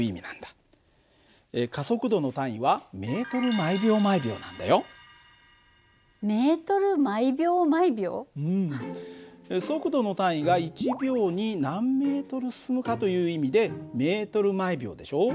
加速度の単位は速度の単位が１秒に何ｍ進むかという意味でｍ／ｓでしょ。